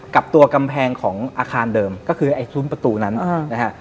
กับตัวกำแพงของอาคารเดิมก็คือไอ้ซุ้มประตูนั้นนะฮะ